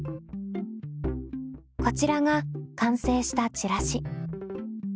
こちらが完成したチラシ。